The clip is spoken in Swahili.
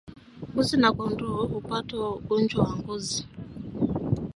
Mbuzi na kondoo hupata ugonjwa wa ngozi